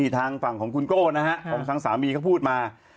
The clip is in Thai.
ทางฝั่งของคุณโก้นะฮะของทางสามีเขาพูดมา